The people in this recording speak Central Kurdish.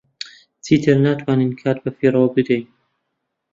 چیتر ناتوانین کات بەفیڕۆ بدەین.